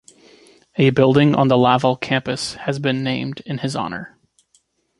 A building on the Laval campus has been named in his honour.